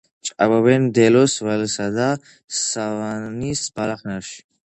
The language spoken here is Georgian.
ჭარბობენ მდელოს, ველისა და სავანის ბალახნარში.